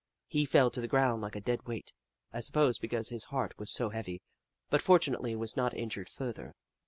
He fell to the g^round like a dead weight, I suppose because his heart was so heavy — but fortunately was not injured further.